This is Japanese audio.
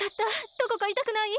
どこかいたくない？